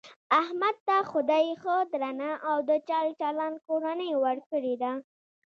احمد ته خدای ښه درنه او د چل چلن کورنۍ ورکړې ده .